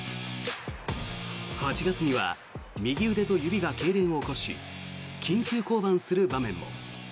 ８月には右腕と指がけいれんを起こし緊急降板する場面も。